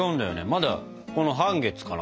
まだこの半月かな。